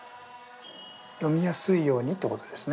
読みやすいようにってことですね。